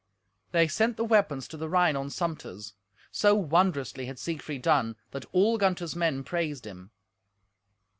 They sent the weapons to the Rhine on sumpters. So wondrously had Siegfried done, that all Gunther's men praised him.